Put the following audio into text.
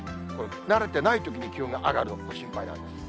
慣れてないときに、気温が上がると心配があります。